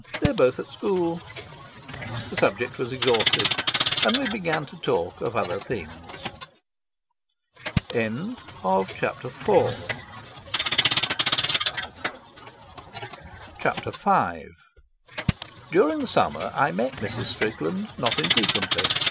They're both at school." The subject was exhausted, and we began to talk of other things. Chapter V During the summer I met Mrs. Strickland not infrequently.